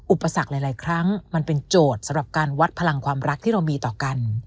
อุปสรรคหลายครั้งมันเป็นโจทย์สำหรับการวัดพลังความรักที่เรามีต่อกัน